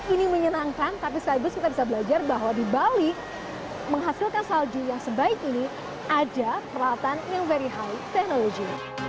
ini menyenangkan tapi sekaligus kita bisa belajar bahwa di bali menghasilkan salju yang sebaik ini ada peralatan yang very high technology